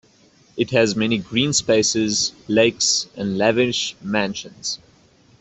It has many green spaces, lakes, and lavish mansions.